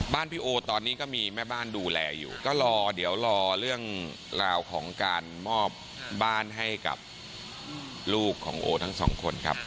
พี่โอตอนนี้ก็มีแม่บ้านดูแลอยู่ก็รอเดี๋ยวรอเรื่องราวของการมอบบ้านให้กับลูกของโอทั้งสองคนครับ